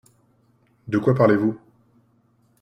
De quoi parlez-vous ?